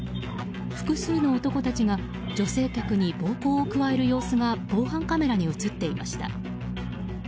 複数の男たちが女性客に暴行を加える様子が防犯カメラに映っていました。